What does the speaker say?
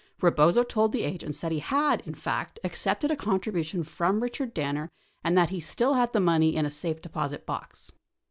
Rebozo told the agents that he had, in fact, accepted a contribution from Richard Danner and that he still had the money in a safe deposit box.